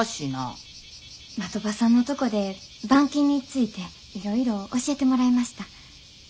的場さんのとこで板金についていろいろ教えてもらいました。